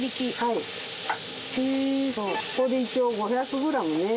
これで一応５００グラムね。